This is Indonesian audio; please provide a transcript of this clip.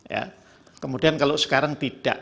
ya kemudian kalau sekarang tidak